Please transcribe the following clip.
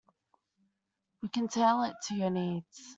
We can tailor it to your needs.